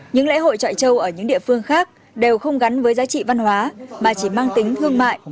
những lễ hội trọi trâu ở những địa phương khác đều không gắn với giá trị văn hóa mà chỉ mang tính thương mại